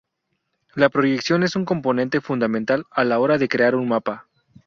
La proyección es un componente fundamental a la hora de crear un mapa.